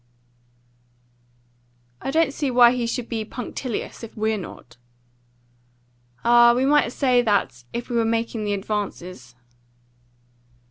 "I don't see why he should be punctilious, if we're not." "Ah, we might say that if he were making the advances."